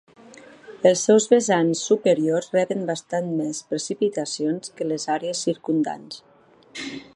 Els seus vessants superiors reben bastant més precipitacions que les àrees circumdants.